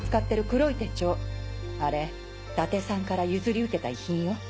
黒い手帳あれ伊達さんから譲り受けた遺品よ。